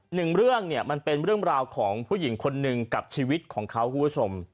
หนึ่งเรื่องเนี่ยมันเป็นเรื่องราวของผู้หญิงคนหนึ่งกับชีวิตของเขาคุณผู้ชม